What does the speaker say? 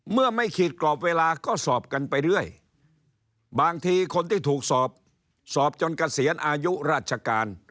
เมื่อไม่ขีดกรอบเวลาก็สอบกันไปเรื่อยบางทีคนที่ถูกสอบสอบจนเกษียณอายุราชการ